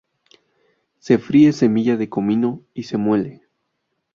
Se fríe semilla de comino y se muele.